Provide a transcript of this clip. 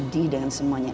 kita sehari yang berikutnya